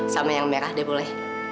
sama yang merah dia boleh